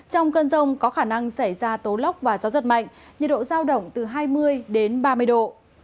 trong cơn rông có khả năng xảy ra tố lốc và gió giật mạnh nhiệt độ giao động từ hai mươi đến ba mươi độ